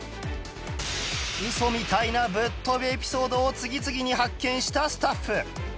ウソみたいなぶっ飛びエピソードを次々に発見したスタッフ